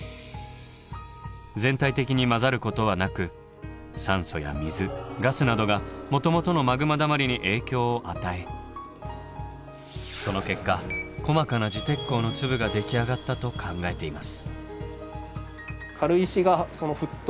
全体的に混ざることはなく酸素や水ガスなどがもともとのマグマだまりに影響を与えその結果細かな磁鉄鉱の粒ができ上がったと考えています。